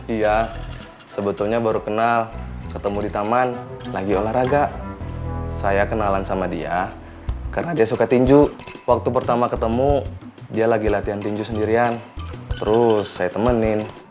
iya sebetulnya baru kenal ketemu di taman lagi olahraga saya kenalan sama dia karena dia suka tinju waktu pertama ketemu dia lagi latihan tinju sendirian terus saya temenin